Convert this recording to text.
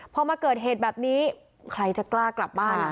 พอมาเกิดเหตุแบบนี้ใครจะกล้ากลับบ้าน